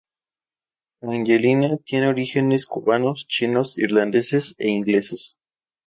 Angelina tiene orígenes cubanos, chinos, irlandeses e ingleses.